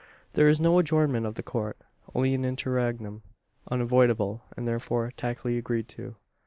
There is no adjournment of the Court only an interregnum, unavoidable, and therefore tacitly agreed to.